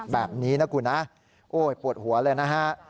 แบบนี้นะคุณนะโอ้ยปวดหัวเลยนะฮะ